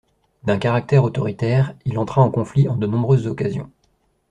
D’un caractère autoritaire, il entra en conflit en de nombreuses occasions.